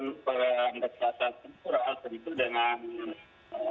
ini intensif atau secara logistik sangat